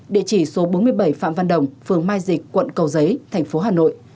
địa chỉ số bốn mươi bảy phạm văn đồng phường mai dịch quận cầu giấy thành phố hà nội